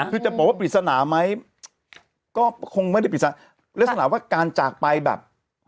คือจะบอกว่าปริศนาไหมก็คงไม่ได้ปริศนาลักษณะว่าการจากไปแบบ